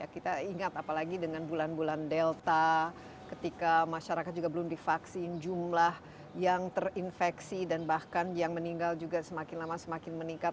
kita ingat apalagi dengan bulan bulan delta ketika masyarakat juga belum divaksin jumlah yang terinfeksi dan bahkan yang meninggal juga semakin lama semakin meningkat